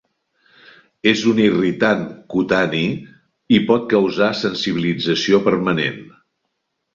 És un irritant cutani i pot causar sensibilització permanent.